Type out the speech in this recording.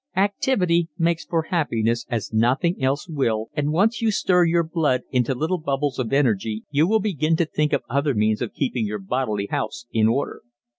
Activity makes for happiness as nothing else will and once you stir your blood into little bubbles of energy you will begin to think of other means of keeping your bodily house in order.